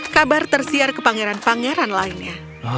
kabar tersiar ke pangeran pangeran lainnya